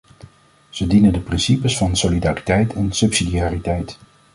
Ze dienen de principes van solidariteit en subsidiariteit.